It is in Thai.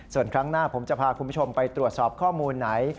ส่วนครั้งหน้าผมจะพาคุณผู้ชมไปตรวจสอบข้อมูลไหน